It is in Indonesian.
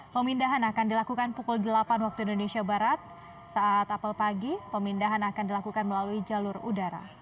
pemindahan akan dilakukan pukul delapan waktu indonesia barat saat apel pagi pemindahan akan dilakukan melalui jalur udara